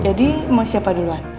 jadi mau siapa duluan